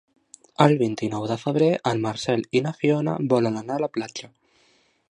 El vint-i-nou de febrer en Marcel i na Fiona volen anar a la platja.